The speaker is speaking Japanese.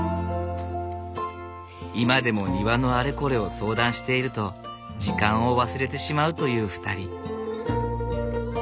今でも庭のあれこれを相談していると時間を忘れてしまうという２人。